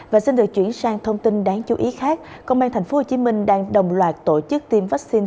và xin được chuyển sang thông tin đáng chú ý khác công an tp hcm đang đồng loạt tổ chức tiêm vaccine